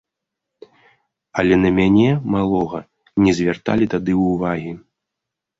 Але на мяне, малога, не звярталі тады ўвагі.